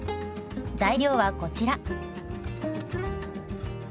材料はこちら。